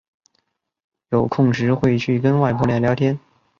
有空时会去跟外婆聊聊天